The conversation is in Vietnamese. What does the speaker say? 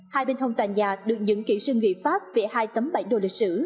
hai bên hông tòa nhà được những kỹ sư nghị pháp vẽ hai tấm bảy đồ lịch sử